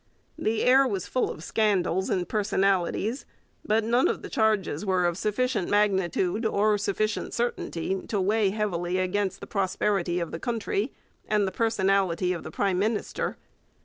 The air was full of scandals and personalities; but none of the charges were of sufficient magnitude or sufficient certainty to weigh heavily against the prosperity of the country and the personality of the prime minister.